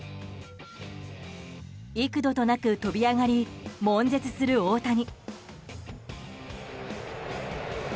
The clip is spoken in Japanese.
幾度となく飛び上がり悶絶する大谷。